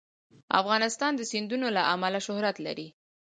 افغانستان د سیندونه له امله شهرت لري.